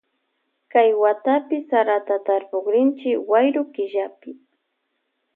Kay watapi sarata tarpukrinchi wayru killapi.